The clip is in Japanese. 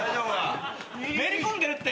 めり込んでるって。